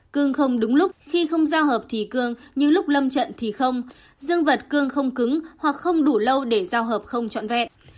cưng không đúng lúc khi không giao hợp thì cưng nhưng lúc lâm trận thì không dương vật cưng không cứng hoặc không đủ lâu để giao hợp không trọn vẹn